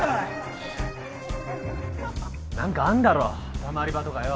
何かあんだろたまり場とかよ。